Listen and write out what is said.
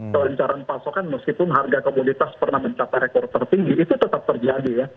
kelencaran pasokan meskipun harga komoditas pernah mencapai rekor tertinggi itu tetap terjadi ya